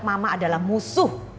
mama adalah musuh